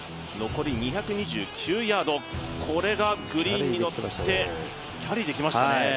残り２２９ヤード、これがグリーンに乗って、キャリーできましたね。